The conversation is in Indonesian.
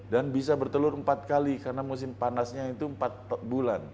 dan bisa bertelur empat kali karena musim panasnya itu empat bulan